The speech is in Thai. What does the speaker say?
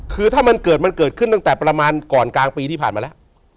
คือถ้ามันเกิดมันเกิดขึ้นตั้งแต่ประมาณก่อนกลางปีที่ผ่านมาแล้ว